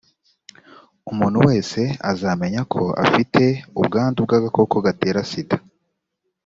umuntu wese azamenya ko mfite ubwandu bw agakoko gatera sida